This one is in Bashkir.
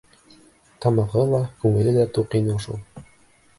Тамағы ла, күңеле лә туҡ ине шул.